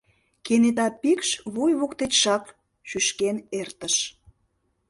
Кенета пикш вуй воктечшак шӱшкен эртыш.